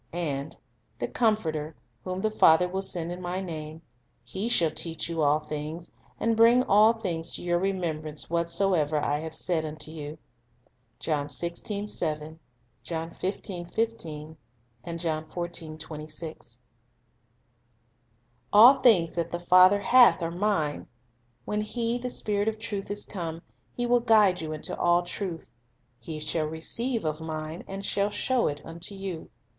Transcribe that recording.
And "the Comforter ... whom the Father will send in My name, He shall teach you all things, and bring all things to your remembrance, whatsoever I have said unto you." 1 "All things that the Father hath are Mine." "When 1 le, the Spirit of truth, is come, He will guide you into all truth. ... He shall receive of Mine, and shall show it unto you."